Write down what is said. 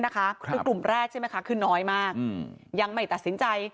กลุ่มแรกขึ้นน้อยมากยังไม่ตัดสินใจ